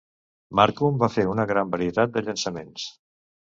Marcum va fer una gran varietat de llançaments.